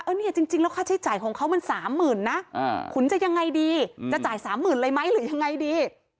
เนี่ยจริงแล้วค่าใช้จ่ายของเขามัน๓๐๐๐นะคุณจะยังไงดีจะจ่ายสามหมื่นเลยไหมหรือยังไงดี